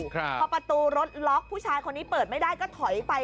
พอประตูรถล็อกผู้ชายคนนี้เปิดไม่ได้ก็ถอยไป